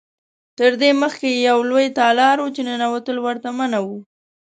تر دې مخکې یو لوی تالار و چې ننوتل ورته منع و.